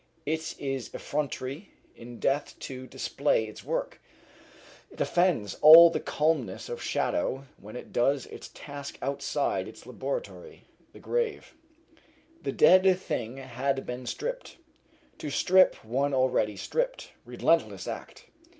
It is effrontery in death to display its work; it offends all the calmness of shadow when it does its task outside its laboratory, the grave. This dead thing had been stripped. To strip one already stripped relentless act!